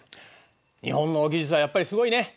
日本の技術はやっぱりすごいね。